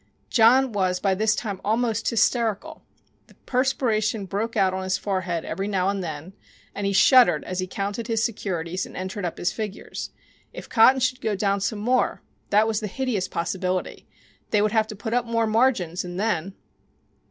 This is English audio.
John was by this time almost hysterical. The perspiration broke out on his forehead every now and then, and he shuddered as he counted his securities and entered up his figures. If cotton should go down some more! That was the hideous possibility. They would have to put up more margin, and then